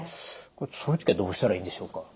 そういう時はどうしたらいいんでしょうか？